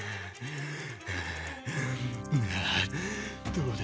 どうだ？